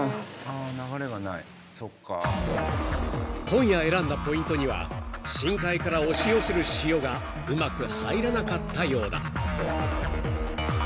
［今夜選んだポイントには深海から押し寄せる潮がうまく入らなかったようだ］